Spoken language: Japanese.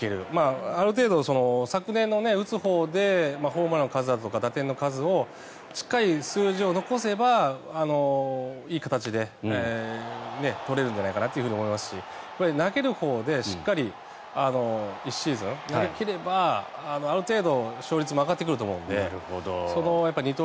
ある程度昨年の打つほうでホームランの数とか打点の数をしっかり数字を残せばいい形で取れるんじゃないかと思いますし投げるほうでしっかり１シーズン投げ切ればある程度勝率も上がってくると思うので二刀